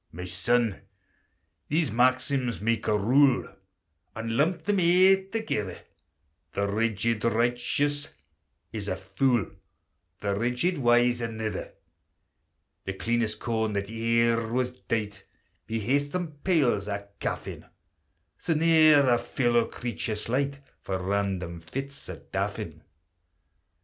"My son, these maxims make a rule And lump them aye thegither: The Rigid Righteous is a fool, The Rigid Wise anither: The cleanest corn that e'er was dight May hae some pyles o' caff in; Sae ne'er a fellow creature slight For random fits o' daffin."